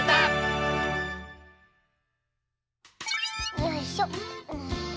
よいしょ。